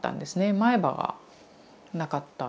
前歯がなかった。